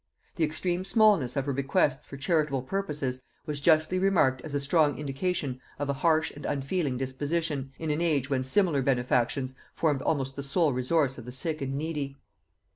The extreme smallness of her bequests for charitable purposes was justly remarked as a strong indication of a harsh and unfeeling disposition, in an age when similar benefactions formed almost the sole resource of the sick and needy.